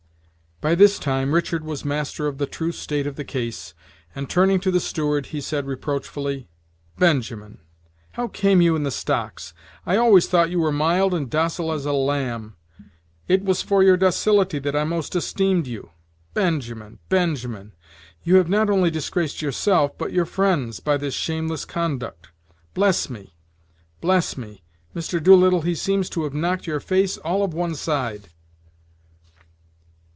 By this time Richard was master of the true state of the case, and, turning to the steward, he said reproach fully: "Benjamin, how came you in the stocks? I always thought you were mild and docile as a lamb. It was for your docility that I most esteemed you. Benjamin! Benjamin! you have not only disgraced yourself, but your friends, by this shameless conduct, Bless me! bless me! Mr. Doolittle, he seems to have knocked your face all of one side."